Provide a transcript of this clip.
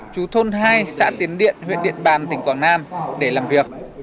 chú thôn hai xã tiến điện huyện điện bàn tỉnh quảng nam để làm việc